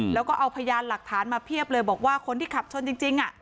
แล้วก็เอาพยานหลักฐานมาเพียบเลยบอกว่าคนที่ขับชนจริง